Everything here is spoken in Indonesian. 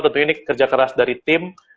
tentunya ini kerja keras dari tim